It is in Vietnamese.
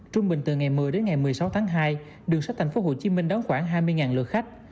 trung bình từ ngày một mươi đến ngày một mươi sáu tháng hai đường sách thành phố hồ chí minh đón khoảng hai mươi lượng khách